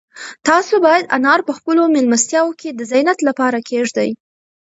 تاسو باید انار په خپلو مېلمستیاوو کې د زینت لپاره کېږدئ.